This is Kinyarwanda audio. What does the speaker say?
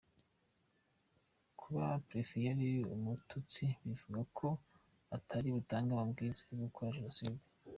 Kuba prefet yari umututsi bivuga ko ataributange amabwiriza yo gukora jenoside?